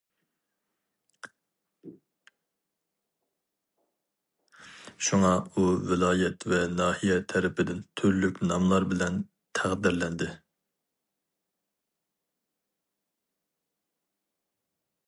شۇڭا ئۇ ۋىلايەت ۋە ناھىيە تەرىپىدىن تۈرلۈك ناملار بىلەن تەقدىرلەندى.